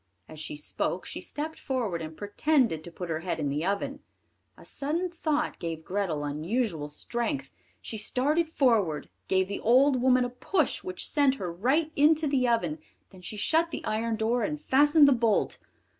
As she spoke she stepped forward and pretended to put her head in the oven. A sudden thought gave Grethel unusual strength; she started forward, gave the old woman a push which sent her right into the oven, then she shut the iron door and fastened the bolt.